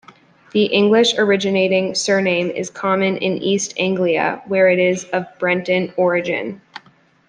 The English-originating surname is common in East Anglia, where it is of Breton origin.